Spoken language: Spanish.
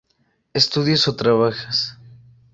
¿Estudias o trabajas?